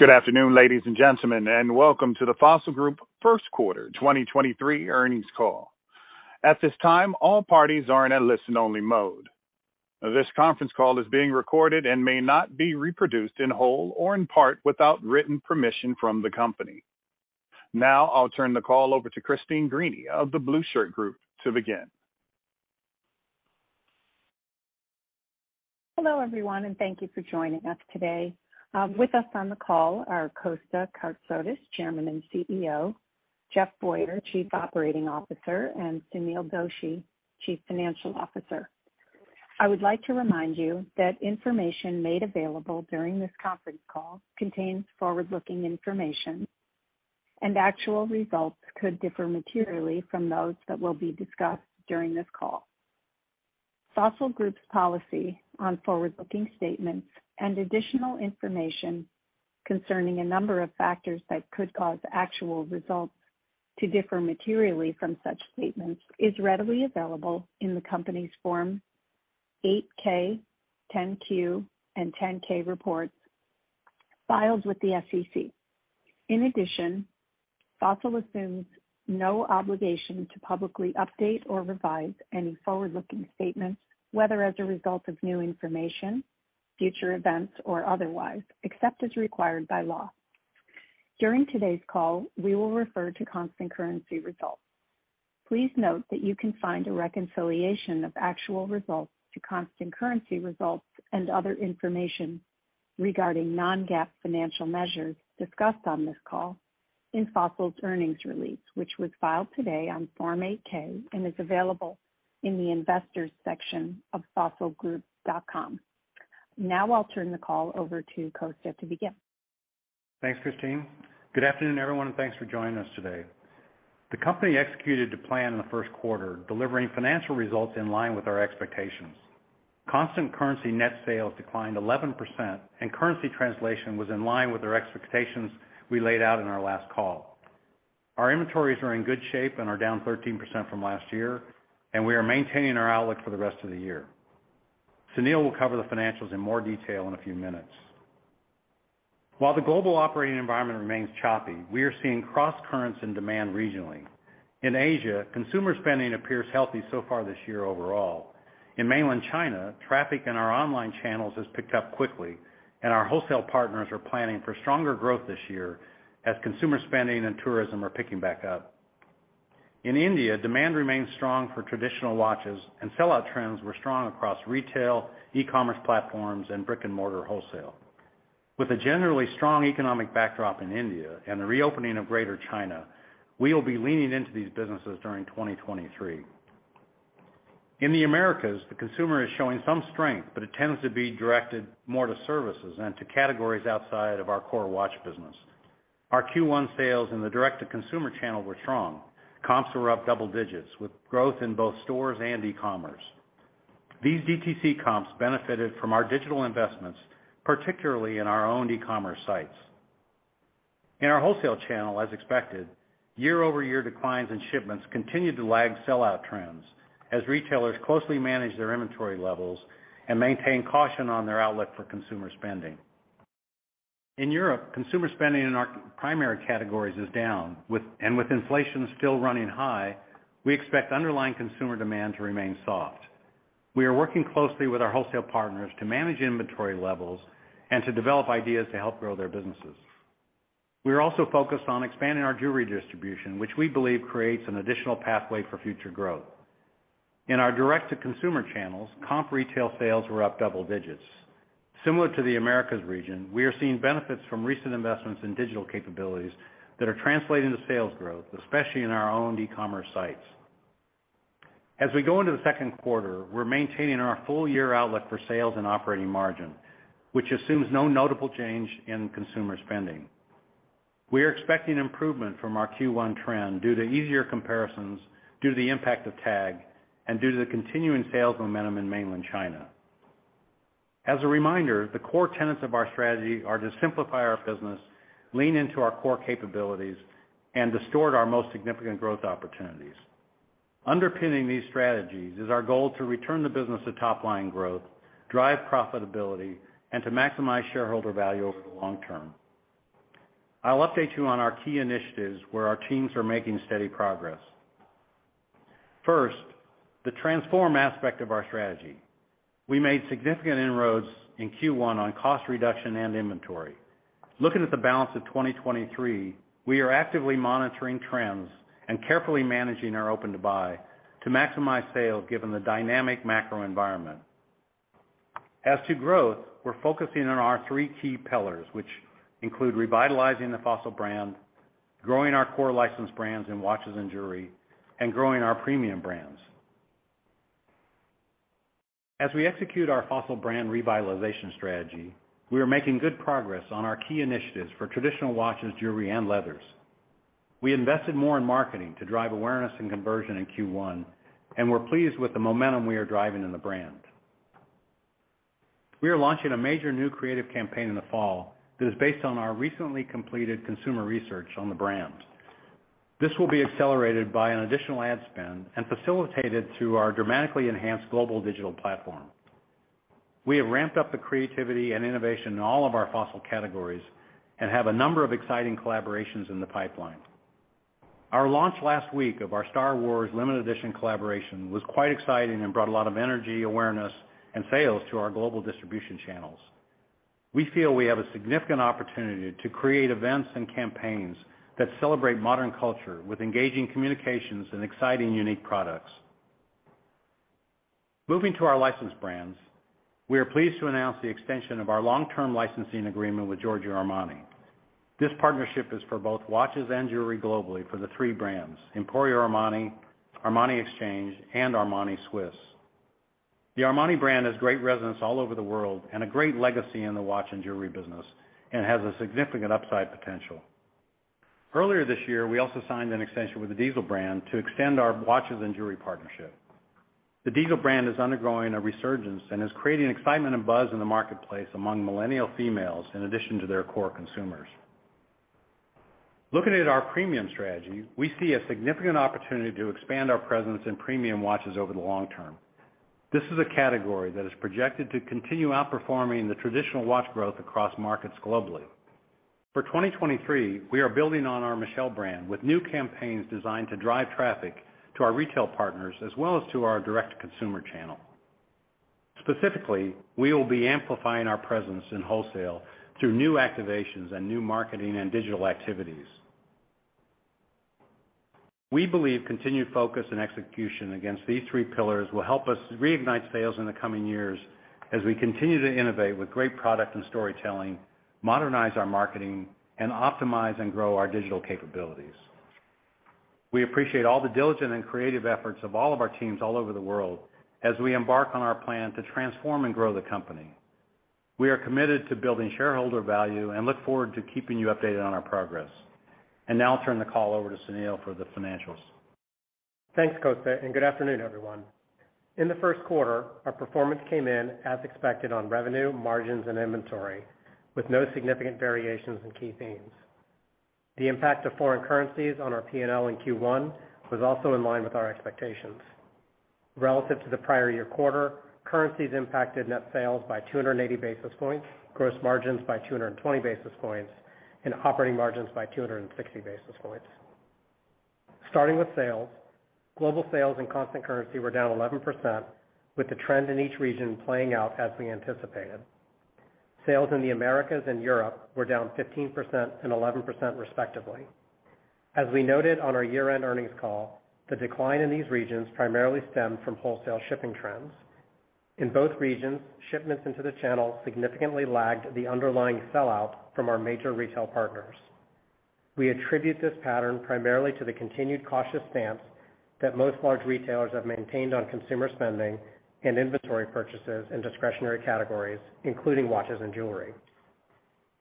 Good afternoon, ladies and gentlemen, welcome to the Fossil Group Q1 2023 earnings call. At this time, all parties are in a listen-only mode. This conference call is being recorded and may not be reproduced in whole or in part without written permission from the company. Now I'll turn the call over to Christine of The Blueshirt Group to begin. Hello, everyone, and thank you for joining us today. With us on the call are Kosta Kartsotis, Chairman and CEO, Jeff Boyer, Chief Operating Officer, and Sunil Doshi, Chief Financial Officer. I would like to remind you that information made available during this conference call contains forward-looking information, and actual results could differ materially from those that will be discussed during this call. Fossil Group's policy on forward-looking statements and additional information concerning a number of factors that could cause actual results to differ materially from such statements is readily available in the company's Form 8-K, Form 10-Q, and Form 10-K reports filed with the SEC. Fossil assumes no obligation to publicly update or revise any forward-looking statements, whether as a result of new information, future events, or otherwise, except as required by law. During today's call, we will refer to constant currency results. Please note that you can find a reconciliation of actual results to constant currency results and other information regarding non-GAAP financial measures discussed on this call in Fossil's earnings release, which was filed today on Form 8-K and is available in the investors section of fossilgroup.com. I'll turn the call over to Kosta to begin. Thanks, Christine. Good afternoon, everyone, thanks for joining us today. The company executed the plan in the Q1, delivering financial results in line with our expectations. Constant currency net sales declined 11%, Currency translation was in line with their expectations we laid out in our last call. Our inventories are in good shape and are down 13% from last year, We are maintaining our outlook for the rest of the year. Sunil will cover the financials in more detail in a few minutes. While the global operating environment remains choppy, we are seeing cross currents in demand regionally. In Asia, consumer spending appears healthy so far this year overall. In Mainland China, traffic in our online channels has picked up quickly, Our wholesale partners are planning for stronger growth this year as consumer spending and tourism are picking back up. In India, demand remains strong for traditional watches, and sell-out trends were strong across retail, e-commerce platforms, and brick-and-mortar wholesale. With a generally strong economic backdrop in India and the reopening of Greater China, we will be leaning into these businesses during 2023. In the Americas, the consumer is showing some strength, but it tends to be directed more to services and to categories outside of our core watch business. Our Q1 sales in the direct-to-consumer channel were strong. Comps were up double digits, with growth in both stores and E-commerce. These DTC comps benefited from our digital investments, particularly in our own E-commerce sites. In our wholesale channel, as expected, year-over-year declines in shipments continued to lag sell-out trends as retailers closely manage their inventory levels and maintain caution on their outlook for consumer spending. In Europe, consumer spending in our primary categories is down, with inflation still running high, we expect underlying consumer demand to remain soft. We are working closely with our wholesale partners to manage inventory levels and to develop ideas to help grow their businesses. We are also focused on expanding our jewelry distribution, which we believe creates an additional pathway for future growth. In our direct-to-consumer channels, comp retail sales were up double digits. Similar to the Americas region, we are seeing benefits from recent investments in digital capabilities that are translating to sales growth, especially in our own e-commerce sites. We go into the Q2, we're maintaining our full year outlook for sales and operating margin, which assumes no notable change in consumer spending. We are expecting improvement from our Q1 trend due to easier comparisons, due to the impact of TAG, and due to the continuing sales momentum in Mainland China. As a reminder, the core tenets of our strategy are to simplify our business, lean into our core capabilities, and to steward our most significant growth opportunities. Underpinning these strategies is our goal to return the business to top line growth, drive profitability, and to maximize shareholder value over the long term. I'll update you on our key initiatives where our teams are making steady progress. First, the transform aspect of our strategy. We made significant inroads in Q1 on cost reduction and inventory. Looking at the balance of 2023, we are actively monitoring trends and carefully managing our open-to-buy to maximize sales given the dynamic macro environment. As to growth, we're focusing on our three key pillars, which include revitalizing the Fossil brand, growing our core licensed brands in watches and jewelry, and growing our premium brands. As we execute our Fossil brand revitalization strategy, we are making good progress on our key initiatives for traditional watches, jewelry, and leathers. We invested more in marketing to drive awareness and conversion in Q1, and we're pleased with the momentum we are driving in the brand. We are launching a major new creative campaign in the fall that is based on our recently completed consumer research on the brand. This will be accelerated by an additional ad spend and facilitated through our dramatically enhanced global digital platform. We have ramped up the creativity and innovation in all of our Fossil categories and have a number of exciting collaborations in the pipeline. Our launch last week of our Star Wars limited edition collaboration was quite exciting and brought a lot of energy, awareness, and sales to our global distribution channels. We feel we have a significant opportunity to create events and campaigns that celebrate modern culture with engaging communications and exciting, unique products. Moving to our licensed brands, we are pleased to announce the extension of our long-term licensing agreement with Giorgio Armani. This partnership is for both watches and jewelry globally for the three brands, Emporio Armani, Armani Exchange, and Emporio Armani Swiss Made. The Armani brand has great resonance all over the world and a great legacy in the watch and jewelry business and has a significant upside potential. Earlier this year, we also signed an extension with the Diesel brand to extend our watches and jewelry partnership. The Diesel brand is undergoing a resurgence and is creating excitement and buzz in the marketplace among millennial females in addition to their core consumers. Looking at our premium strategy, we see a significant opportunity to expand our presence in premium watches over the long term. This is a category that is projected to continue outperforming the traditional watch growth across markets globally. For 2023, we are building on our MICHELE brand with new campaigns designed to drive traffic to our retail partners as well as to our direct consumer channel. Specifically, we will be amplifying our presence in wholesale through new activations and new marketing and digital activities. We believe continued focus and execution against these three pillars will help us reignite sales in the coming years as we continue to innovate with great product and storytelling, modernize our marketing, and optimize and grow our digital capabilities. We appreciate all the diligent and creative efforts of all of our teams all over the world as we embark on our plan to transform and grow the company. We are committed to building shareholder value and look forward to keeping you updated on our progress. Now I'll turn the call over to Sunil for the financials. Thanks, Kosta. Good afternoon, everyone. In the Q1, our performance came in as expected on revenue, margins, and inventory, with no significant variations in key themes. The impact of foreign currencies on our P&L in Q1 was also in line with our expectations. Relative to the prior year quarter, currencies impacted net sales by 280 basis points, gross margins by 220 basis points, and operating margins by 260 basis points. Starting with sales, global sales in constant currency were down 11%, with the trend in each region playing out as we anticipated. Sales in the Americas and Europe were down 15% and 11%, respectively. As we noted on our year-end earnings call, the decline in these regions primarily stemmed from wholesale shipping trends. In both regions, shipments into the channel significantly lagged the underlying sell-out from our major retail partners. We attribute this pattern primarily to the continued cautious stance that most large retailers have maintained on consumer spending and inventory purchases in discretionary categories, including watches and jewelry.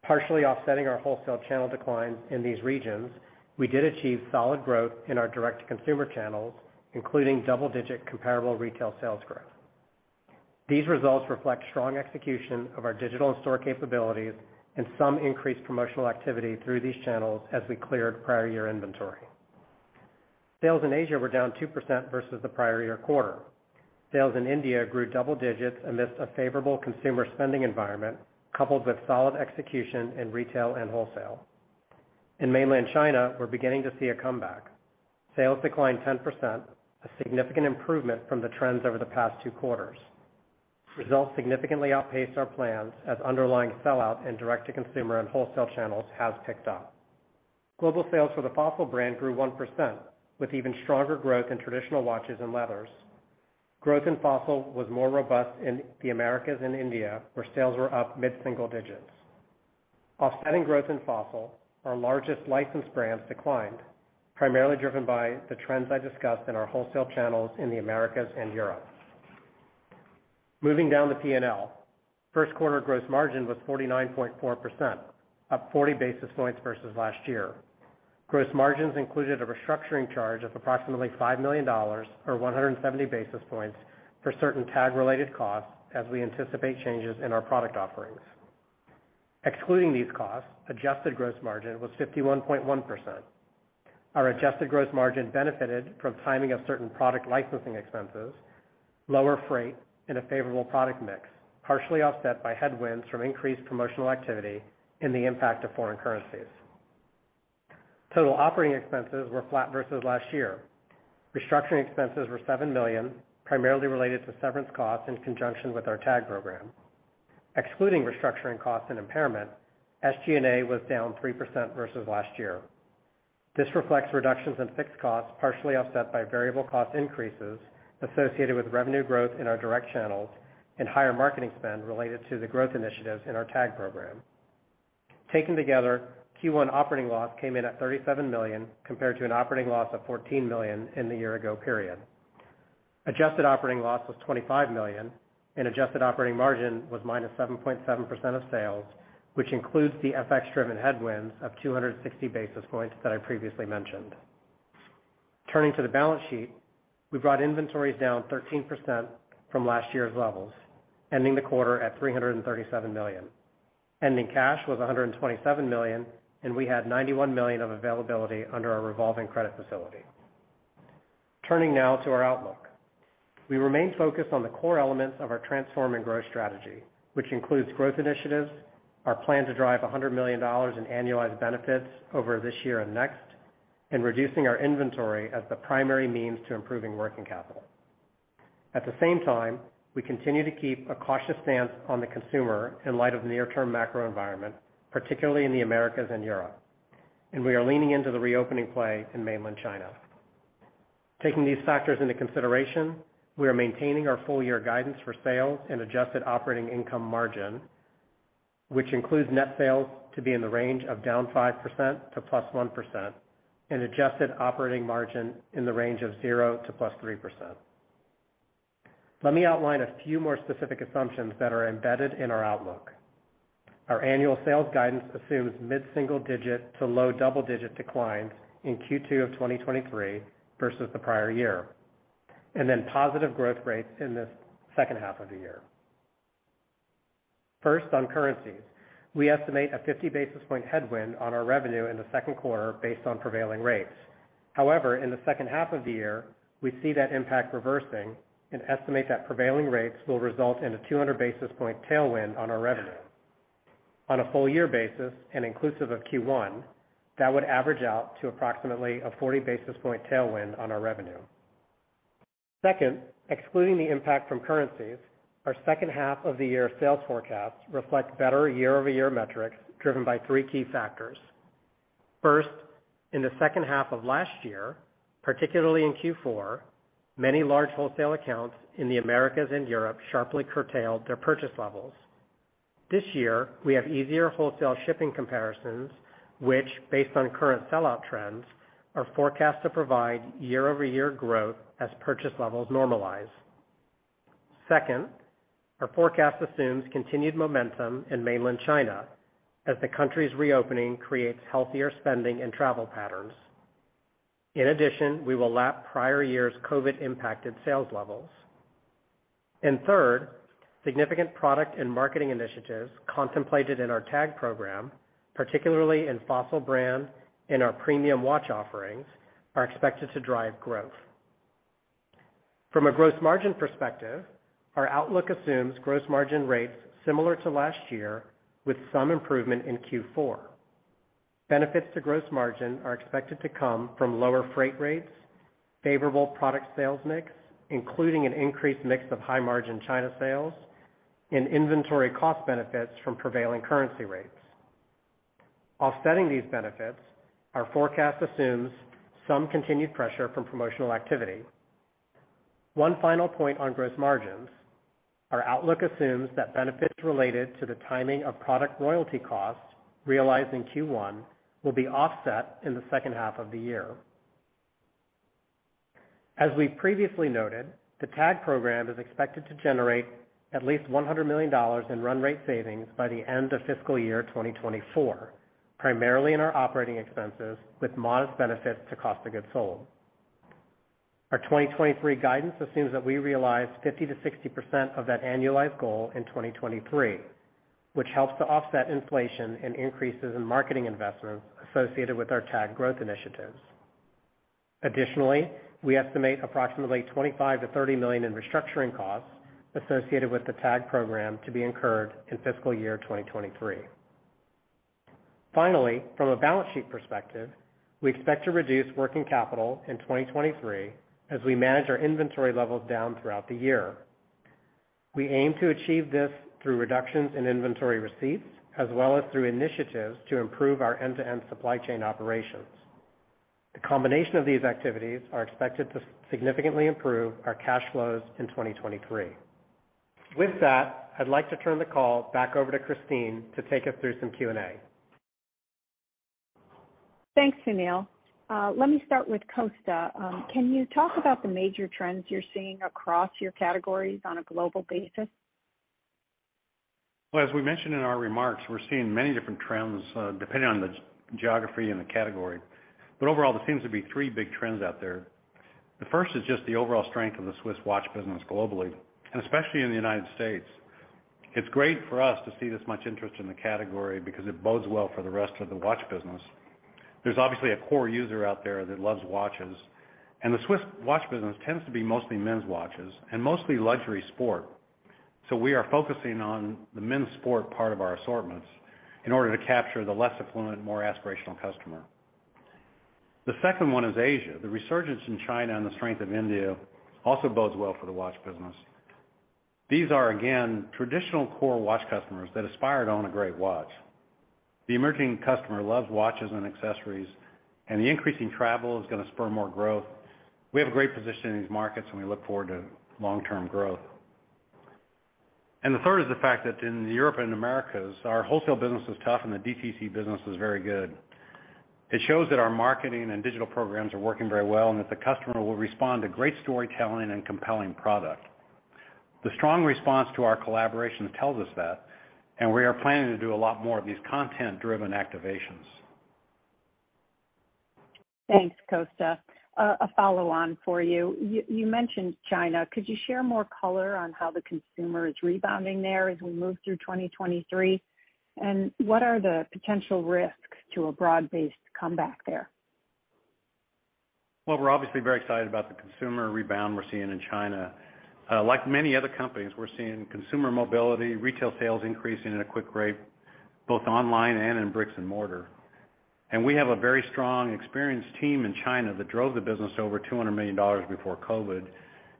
Partially offsetting our wholesale channel declines in these regions, we did achieve solid growth in our direct-to-consumer channels, including double-digit comparable retail sales growth. These results reflect strong execution of our digital and store capabilities and some increased promotional activity through these channels as we cleared prior year inventory. Sales in Asia were down 2% versus the prior year quarter. Sales in India grew double digits amidst a favorable consumer spending environment, coupled with solid execution in retail and wholesale. In Mainland China, we're beginning to see a comeback. Sales declined 10%, a significant improvement from the trends over the past two quarters. Results significantly outpaced our plans as underlying sellout in direct-to-consumer and wholesale channels has picked up. Global sales for the Fossil grew 1%, with even stronger growth in traditional watches and leathers. Growth in Fossil was more robust in the Americas and India, where sales were up mid-single digits. Offsetting growth in Fossil, our largest licensed brands declined, primarily driven by the trends I discussed in our wholesale channels in the Americas and Europe. Moving down the P&L, Q1 gross margin was 49.4%, up 40 basis points versus last year. Gross margins included a restructuring charge of approximately $5 million or 170 basis points for certain TAG-related costs as we anticipate changes in our product offerings. Excluding these costs, adjusted gross margin was 51.1%. Our adjusted gross margin benefited from timing of certain product licensing expenses, lower freight, and a favorable product mix, partially offset by headwinds from increased promotional activity and the impact of foreign currencies. Total operating expenses were flat versus last year. Restructuring expenses were $7 million, primarily related to severance costs in conjunction with our TAG program. Excluding restructuring costs and impairment, SG&A was down 3% versus last year. This reflects reductions in fixed costs partially offset by variable cost increases associated with revenue growth in our direct channels and higher marketing spend related to the growth initiatives in our TAG program. Taken together, Q1 operating loss came in at $37 million compared to an operating loss of $14 million in the year ago period. Adjusted operating loss was $25 million, and adjusted operating margin was -7.7% of sales, which includes the FX-driven headwinds of 260 basis points that I previously mentioned. Turning to the balance sheet, we brought inventories down 13% from last year's levels, ending the quarter at $337 million. Ending cash was $127 million, and we had $91 million of availability under our revolving credit facility. Turning now to our outlook. We remain focused on the core elements of our Transform and Grow strategy, which includes growth initiatives, our plan to drive $100 million in annualized benefits over this year and next, and reducing our inventory as the primary means to improving working capital. At the same time, we continue to keep a cautious stance on the consumer in light of near-term macro environment, particularly in the Americas and Europe, and we are leaning into the reopening play in Mainland China. Taking these factors into consideration, we are maintaining our full year guidance for sales and Adjusted Operating Income margin, which includes net sales to be in the range of -5% - +1% and adjusted operating margin in the range of 0% to +3%. Let me outline a few more specific assumptions that are embedded in our outlook. Our annual sales guidance assumes mid-single-digit to low double-digit declines in Q2 of 2023 versus the prior year, and then positive growth rates in the second half of the year. First, on currencies, we estimate a 50 basis point headwind on our revenue in the Q2 based on prevailing rates. However, in the second half of the year, we see that impact reversing and estimate that prevailing rates will result in a 200 basis point tailwind on our revenue. On a full year basis and inclusive of Q1, that would average out to approximately a 40 basis point tailwind on our revenue. Second, excluding the impact from currencies, our second half of the year sales forecast reflect better year-over-year metrics driven by three key factors. First, in the second half of last year, particularly in Q4, many large wholesale accounts in the Americas and Europe sharply curtailed their purchase levels. This year, we have easier wholesale shipping comparisons, which based on current sellout trends, are forecast to provide year-over-year growth as purchase levels normalize. Second, our forecast assumes continued momentum in Mainland China as the country's reopening creates healthier spending and travel patterns. In addition, we will lap prior year's COVID impacted sales levels. Third, significant product and marketing initiatives contemplated in our TAG program, particularly in Fossil brand and our premium watch offerings, are expected to drive growth. From a gross margin perspective, our outlook assumes gross margin rates similar to last year with some improvement in Q4. Benefits to gross margin are expected to come from lower freight rates, favorable product sales mix, including an increased mix of high margin China sales, and inventory cost benefits from prevailing currency rates. Offsetting these benefits, our forecast assumes some continued pressure from promotional activity. One final point on gross margins, our outlook assumes that benefits related to the timing of product royalty costs realized in Q1 will be offset in the second half of the year. As we previously noted, the TAG program is expected to generate at least $100 million in run rate savings by the end of fiscal year 2024, primarily in our operating expenses, with modest benefits to cost of goods sold. Our 2023 guidance assumes that we realize 50%-60% of that annualized goal in 2023, which helps to offset inflation and increases in marketing investments associated with our TAG growth initiatives. Additionally, we estimate approximately $25 million-$30 million in restructuring costs associated with the TAG program to be incurred in fiscal year 2023. Finally, from a balance sheet perspective, we expect to reduce working capital in 2023 as we manage our inventory levels down throughout the year. We aim to achieve this through reductions in inventory receipts as well as through initiatives to improve our end-to-end supply chain operations. The combination of these activities are expected to significantly improve our cash flows in 2023. With that, I'd like to turn the call back over to Christine to take us through some Q&A. Thanks, Sunil. Let me start with Kosta. Can you talk about the major trends you're seeing across your categories on a global basis? Well, as we mentioned in our remarks, we're seeing many different trends, depending on the geography and the category. Overall, there seems to be three big trends out there. The first is just the overall strength of the Swiss watch business globally, and especially in the United States. It's great for us to see this much interest in the category because it bodes well for the rest of the watch business. There's obviously a core user out there that loves watches, and the Swiss watch business tends to be mostly men's watches and mostly luxury sport. We are focusing on the men's sport part of our assortments in order to capture the less affluent, more aspirational customer. The second one is Asia. The resurgence in China and the strength of India also bodes well for the watch business. These are, again, traditional core watch customers that aspire to own a great watch. The emerging customer loves watches and accessories, and the increasing travel is gonna spur more growth. We have a great position in these markets, and we look forward to long-term growth. The third is the fact that in Europe and Americas, our wholesale business is tough and the DTC business is very good. It shows that our marketing and digital programs are working very well, and that the customer will respond to great storytelling and compelling product. The strong response to our collaboration tells us that, and we are planning to do a lot more of these content-driven activations. Thanks, Kosta. A follow-on for you. You mentioned China. Could you share more color on how the consumer is rebounding there as we move through 2023? What are the potential risks to a broad-based comeback there? Well, we're obviously very excited about the consumer rebound we're seeing in China. Like many other companies, we're seeing consumer mobility, retail sales increasing at a quick rate, both online and in bricks and mortar. We have a very strong, experienced team in China that drove the business over $200 million before COVID.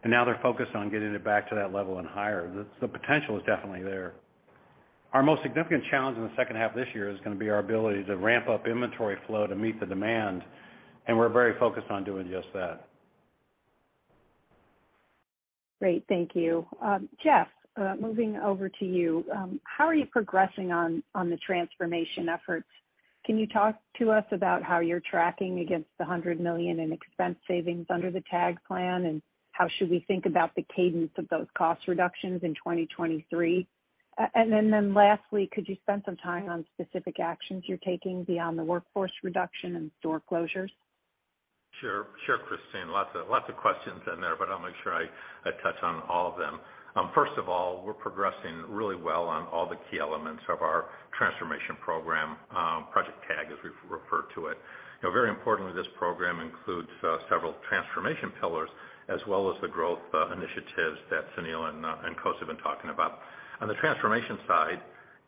Now they're focused on getting it back to that level and higher. The potential is definitely there. Our most significant challenge in the second half of this year is gonna be our ability to ramp up inventory flow to meet the demand, and we're very focused on doing just that. Great. Thank you. Jeff, moving over to you. How are you progressing on the transformation efforts? Can you talk to us about how you're tracking against the $100 million in expense savings under the TAG Plan, and how should we think about the cadence of those cost reductions in 2023? Lastly, could you spend some time on specific actions you're taking beyond the workforce reduction and store closures? Sure, Christine Greany. Lots of questions in there, but I'll make sure I touch on all of them. First of all, we're progressing really well on all the key elements of our transformation program, TAG Plan, as we refer to it. You know, very importantly, this program includes several transformation pillars, as well as the growth initiatives that Sunil Doshi and Kosta Kartsotis have been talking about. On the transformation side,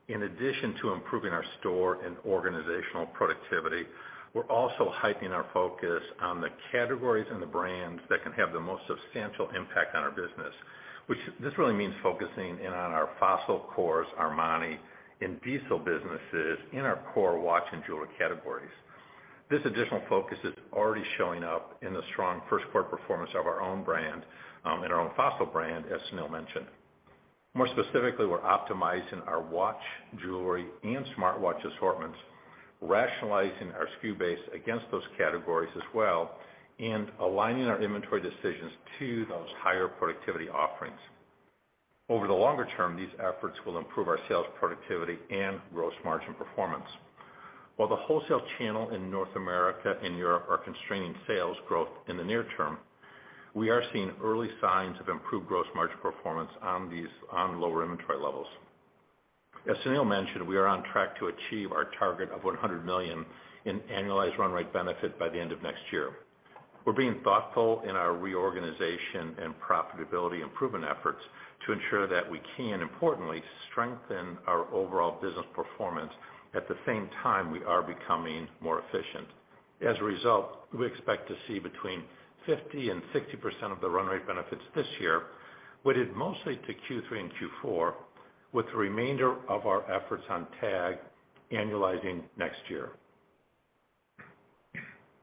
in addition to improving our store and organizational productivity, we're also heightening our focus on the categories and the brands that can have the most substantial impact on our business, which this really means focusing in on our Fossil cores, Armani and Diesel businesses in our core watch and jewelry categories. This additional focus is already showing up in the strong Q1 performance of our own brand, and our own Fossil brand, as Sunil mentioned. More specifically, we're optimizing our watch, jewelry, and smartwatch assortments, rationalizing our SKU base against those categories as well, and aligning our inventory decisions to those higher productivity offerings. Over the longer term, these efforts will improve our sales productivity and gross margin performance. While the wholesale channel in North America and Europe are constraining sales growth in the near term, we are seeing early signs of improved gross margin performance on these, on lower inventory levels. As Sunil mentioned, we are on track to achieve our target of $100 million in annualized run rate benefit by the end of next year. We're being thoughtful in our reorganization and profitability improvement efforts to ensure that we can, importantly, strengthen our overall business performance. At the same time, we are becoming more efficient. As a result, we expect to see between 50% and 60% of the run rate benefits this year, weighted mostly to Q3 and Q4, with the remainder of our efforts on TAG annualizing next year.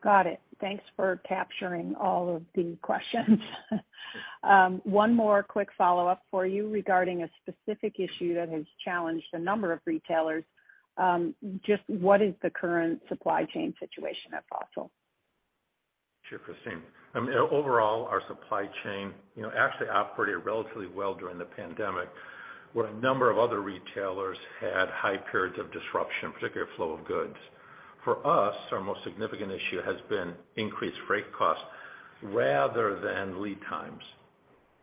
Got it. Thanks for capturing all of the questions. One more quick follow-up for you regarding a specific issue that has challenged a number of retailers. Just what is the current supply chain situation at Fossil? Sure, Christine. Overall, our supply chain, you know, actually operated relatively well during the pandemic, where a number of other retailers had high periods of disruption, particularly flow of goods. For us, our most significant issue has been increased freight costs rather than lead times.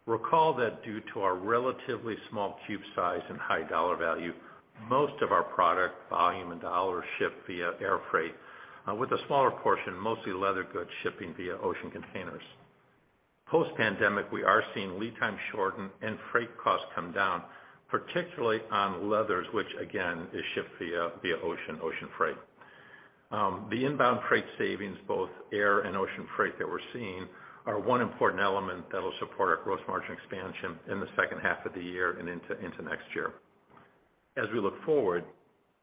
Recall that due to our relatively small cube size and high dollar value, most of our product volume and dollars ship via air freight, with a smaller portion, mostly leather goods, shipping via ocean containers. Post-pandemic, we are seeing lead time shorten and freight costs come down, particularly on leathers, which again is shipped via ocean freight. The inbound freight savings, both air and ocean freight that we're seeing, are one important element that will support our gross margin expansion in the second half of the year and into next year. As we look forward,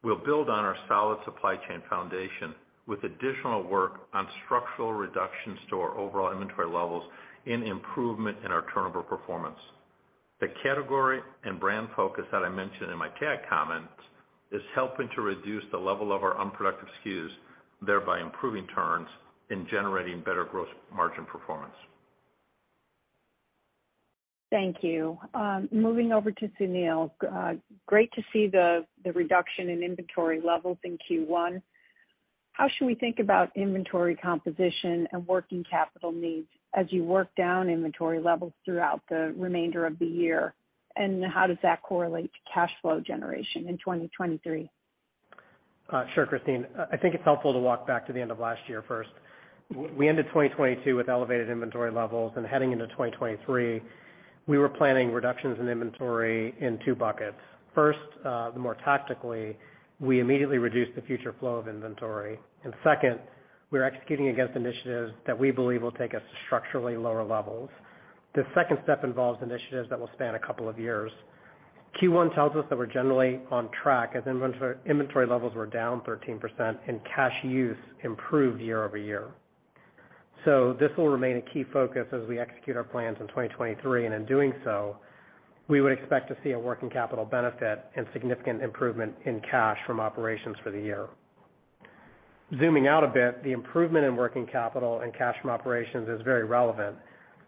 we'll build on our solid supply chain foundation with additional work on structural reductions to our overall inventory levels and improvement in our turnover performance. The category and brand focus that I mentioned in my TAG comments is helping to reduce the level of our unproductive SKUs, thereby improving turns and generating better gross margin performance. Thank you. Moving over to Sunil. Great to see the reduction in inventory levels in Q1. How should we think about inventory composition and working capital needs as you work down inventory levels throughout the remainder of the year? How does that correlate to cash flow generation in 2023? Sure, Christine. I think it's helpful to walk back to the end of last year first. We ended 2022 with elevated inventory levels. Heading into 2023, we were planning reductions in inventory in two buckets. First, the more tactically, we immediately reduced the future flow of inventory. Second, we're executing against initiatives that we believe will take us to structurally lower levels. The second step involves initiatives that will span a couple of years. Q1 tells us that we're generally on track as inventory levels were down 13% and cash use improved year-over-year. This will remain a key focus as we execute our plans in 2023. In doing so, we would expect to see a working capital benefit and significant improvement in cash from operations for the year. Zooming out a bit, the improvement in working capital and cash from operations is very relevant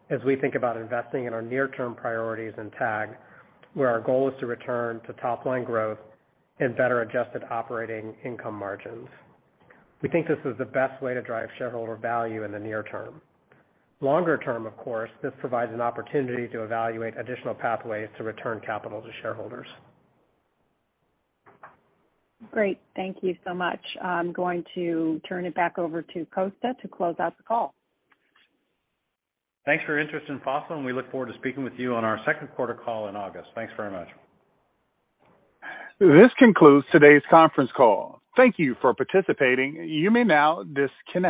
as we think about investing in our near-term priorities in TAG, where our goal is to return to top-line growth and better adjusted operating income margins. We think this is the best way to drive shareholder value in the near term. Longer term, of course, this provides an opportunity to evaluate additional pathways to return capital to shareholders. Great. Thank you so much. I'm going to turn it back over to Kosta to close out the call. Thanks for your interest in Fossil, and we look forward to speaking with you on our Q2 call in August. Thanks very much. This concludes today's conference call. Thank you for participating. You may now disconnect.